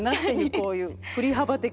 こういう振り幅的に。